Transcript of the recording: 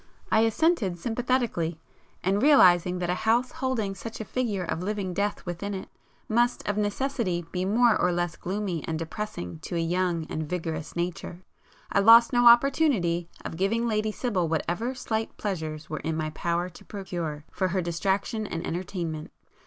I assented sympathetically; and realising that a house holding such a figure of living death within it must of necessity be more or less gloomy and depressing to a young and vigorous nature, I lost no opportunity of giving Lady Sibyl whatever slight pleasures were in my power to procure, for her distraction and entertainment.